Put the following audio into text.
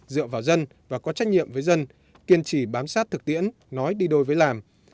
dựa vào dân và có trách nhiệm với dân kiên trì bám sát thực tiễn nói đi đôi với làm